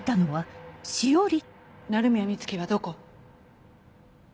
鳴宮美月はどこ？